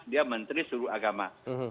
dia menteri seluruh agama